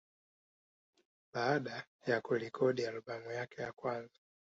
Baada ya kurekodi albamu yake ya kwanza